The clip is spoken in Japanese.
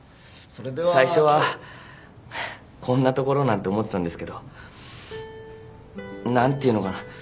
最初はこんなところなんて思ってたんですけど何ていうのかな